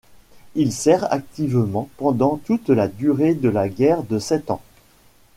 Il sert activement pendant toute la durée de la guerre de Sept Ans.